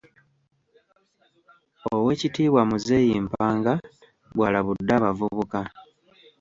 Oweekitiibwa Muzeeyi Mpanga bw'alabudde abavubuka.